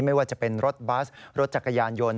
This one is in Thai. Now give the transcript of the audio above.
ไม่ว่าจะเป็นรถบัสรถจักรยานยนต์